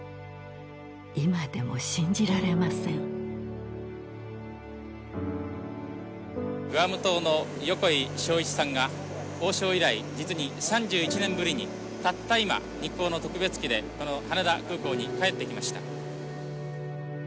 今でも信じられませんグアム島の横井庄一さんが鳳詔以来実に３１年ぶりにたった今日航の特別機でこの羽田空港に帰ってきました